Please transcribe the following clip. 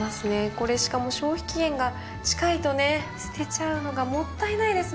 これしかも消費期限が近いとね捨てちゃうのがもったいないですもんね。